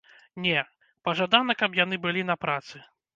Не, пажадана, каб яны былі на працы.